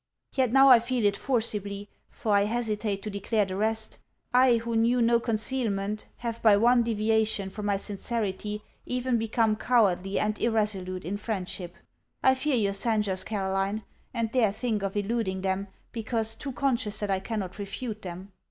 Yet now I feel it forcibly; for I hesitate to declare the rest; I, who knew no concealment, have by one deviation from my sincerity even become cowardly and irresolute in friendship. I fear your censures, Caroline; and dare think of eluding them, because too conscious that I cannot refute them.